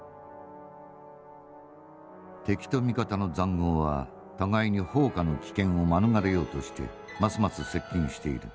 「敵と味方の塹壕は互いに砲火の危険を免れようとしてますます接近している。